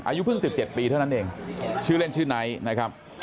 อายุเพิ่ง๑๗ปีเท่านั้นเองชื่อเล่นชื่อไนท์นะครับ